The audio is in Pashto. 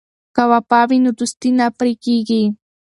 که وفا وي نو دوستي نه پرې کیږي.